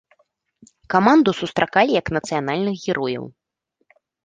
Каманду сустракалі як нацыянальных герояў.